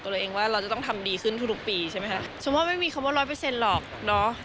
ฉันว่าไม่มีคำว่าร้อยเปอร์เซ็นต์หรอกเนาะ